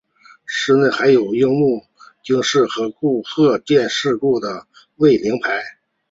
寺内还有樱木町事故和鹤见事故的慰灵碑。